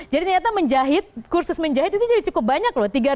jadi ternyata menjahit kursus menjahit itu cukup banyak loh